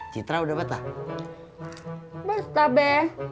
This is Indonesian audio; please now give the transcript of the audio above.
citra udah betah betah be